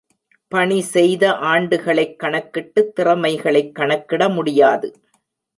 பணி செய்த ஆண்டுகளைக் கணக்கிட்டுத் திறமைகளைக் கணக்கிட முடியாது.